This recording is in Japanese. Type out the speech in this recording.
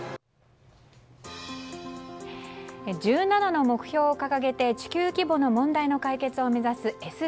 １７の目標を掲げて地球規模の問題の解決を目指すＳＤＧｓ